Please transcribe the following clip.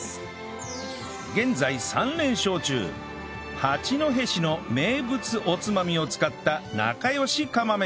現在３連勝中八戸市の名物おつまみを使ったなかよし釜飯